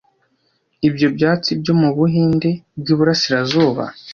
Ibyo ibyatsi byo mubuhinde bwiburasirazuba